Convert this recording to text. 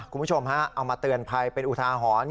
คุณผู้ชมฮะเอามาเตือนภัยเป็นอุทาหรณ์